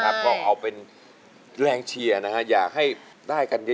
จับมือประคองขอร้องอย่าได้เปลี่ยนไป